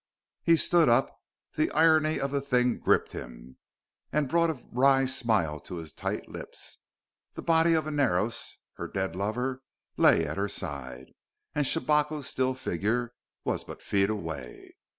He stood up. The irony of the thing gripped him, and brought a wry smile to his tight lips. The body of Inaros, her dead lover, lay at her side; and Shabako's still figure was but feet away.